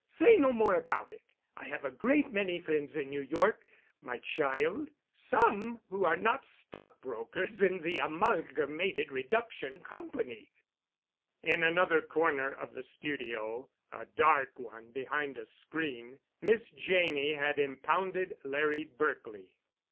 "Say no more about it. I have a great many friends in New York, my child—some who are not stockholders in the Amalgamated Reduction Company." In another corner of the studio—a dark one behind a screen—Miss Janney had impounded Larry Berkely.